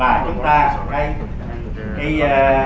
và chúng ta đây